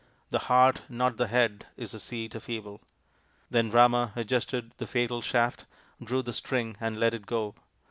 " The heart, not the head, is the seat of evil." Then Rama adjusted the fatal shaft, drew the string and let it go.